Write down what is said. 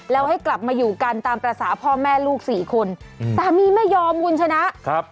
แล้วให้กลับมาอยู่กันตามภาษาพ่อแม่ลูกสี่คนอืมสามีไม่ยอมคุณชนะครับ